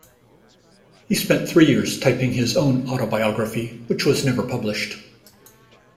He spent three years typing his own autobiography, which was never published.